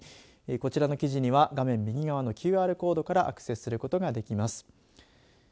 こちらの記事には画面右側のＱＲコードからアクセスすることができます。